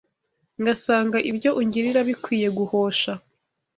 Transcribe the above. Ngasanga ibyo ungilira Bikwiye guhosha